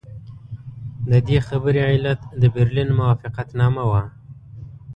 د دې خبرې علت د برلین موافقتنامه وه.